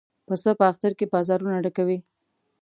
پسه په اختر کې بازارونه ډکوي.